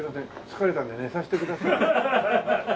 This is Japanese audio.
疲れたんで寝させてください。